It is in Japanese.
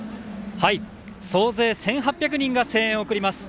総勢１８００人が声援を送ります。